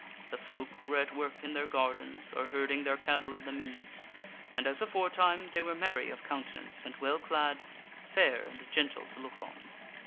The folk were at work in their gardens, or herding their cattle in the meads, and as aforetime they were merry of countenance and well clad, fair and gentle to look on.